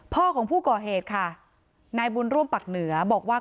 พ่อของผู้ก่อเหตุค่ะนายบุญร่วมปักเหนือบอกว่า